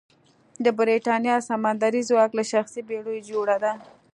د برېتانیا سمندري ځواک له شخصي بېړیو جوړه وه.